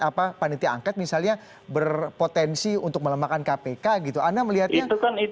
apa panitia angket misalnya berpotensi untuk melemahkan kpk gitu anda melihatnya